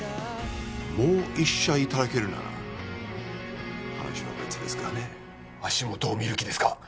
もう一社いただけるなら話は別ですがね足元を見る気ですか？